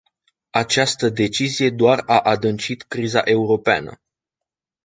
Această decizie doar a adâncit criza europeană.